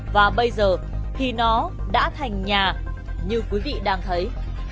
và bây giờ thì nó đã thành nhà như quý vị đang thấy